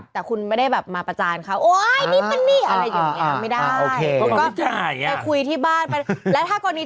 แต่คุณไม่ได้แบบมาประจานเขาโอ๊ยนี่เป็นนี่อะไรอย่างนี้